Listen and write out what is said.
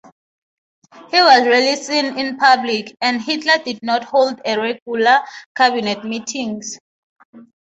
He was rarely seen in public, and Hitler did not hold regular cabinet meetings.